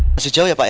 masih jauh ya pak ya